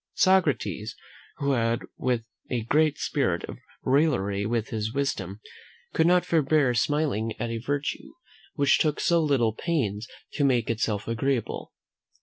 Socrates, who had a great spirit of raillery with his wisdom, could not forbear smiling at a virtue which took so little pains to make itself agreeable.